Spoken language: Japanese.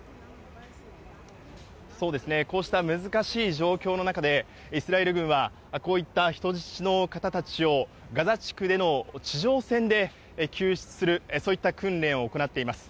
そうですね、こうした難しい状況の中で、イスラエル軍はこういった人質の方たちを、ガザ地区での地上戦で救出する、そういった訓練を行っています。